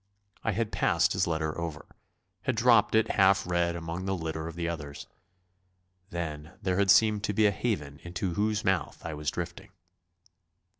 I had passed his letter over; had dropped it half read among the litter of the others. Then there had seemed to be a haven into whose mouth I was drifting.